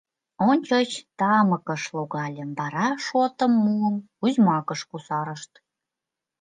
— Ончыч тамыкыш логальым, вара шотым муым — узьмакыш кусарышт.